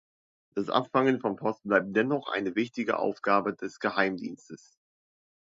Das Abfangen von Post bleibt dennoch eine wichtige Aufgabe des Geheimdienstes.